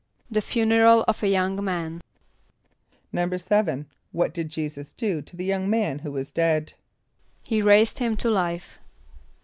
=The funeral of a young man.= =7.= What did J[=e]´[s+]us do to the young man who was dead? =He raised him to life.